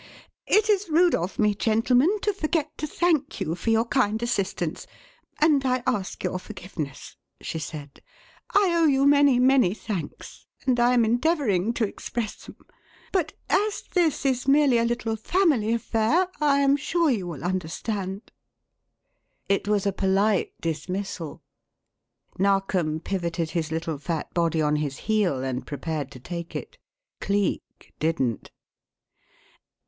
"It is rude of me, gentlemen, to forget to thank you for your kind assistance, and I ask your forgiveness," she said. "I owe you many, many thanks and I am endeavouring to express them. But as this is merely a little family affair I am sure you will understand." It was a polite dismissal. Narkom pivoted his little fat body on his heel, and prepared to take it. Cleek didn't.